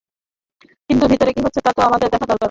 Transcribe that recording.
কিন্তু ভেতরে কী হচ্ছে তা তো আমাদের দেখা দরকার।